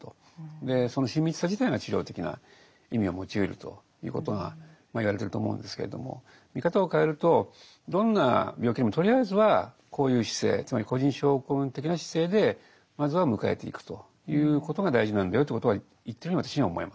でその親密さ自体が治療的な意味を持ちうるということが言われてると思うんですけれども見方を変えるとどんな病気でもとりあえずはこういう姿勢つまり個人症候群的な姿勢でまずは迎えていくということが大事なんだよということを言ってるように私には思えます。